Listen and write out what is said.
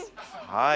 はい。